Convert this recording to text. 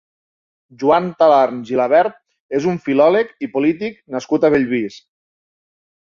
Joan Talarn Gilabert és un filòleg i polític nascut a Bellvís.